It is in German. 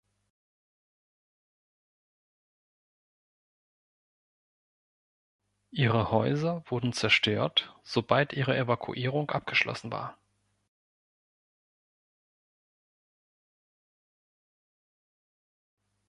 Ihre Häuser wurden zerstört, sobald ihre Evakuierung abgeschlossen war.